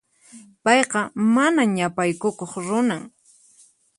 Payqa mana ñapaykukuq runan.